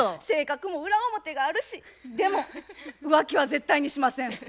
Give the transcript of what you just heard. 性格も裏表があるしでも浮気は絶対にしません。